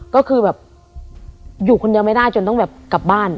ก็คือแบบอยู่คนเดียวไม่ได้จนต้องแบบกลับบ้าน